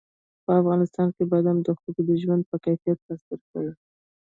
په افغانستان کې بادام د خلکو د ژوند په کیفیت تاثیر کوي.